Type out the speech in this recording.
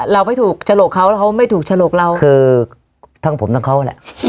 เราไม่ถูกฉลกเขาแล้วเขาไม่ถูกฉลกเราคือทั้งผมทั้งเขาแหละ